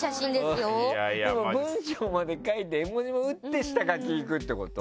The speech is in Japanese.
文章まで書いて絵文字も打って下書きいくってこと？